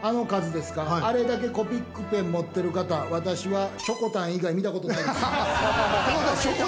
あれだけコピックペン持ってる方、私は、しょこたん以外、見たことないです。